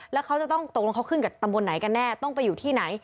แล้วเขาจะต้องตกลงเขาขึ้นกับตำบลไหนกันแน่ต้องไปอยู่ที่ไหน